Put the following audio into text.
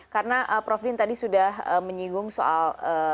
karena prof din tadi sudah menyinggung soal